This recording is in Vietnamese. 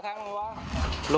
giá bao nhiêu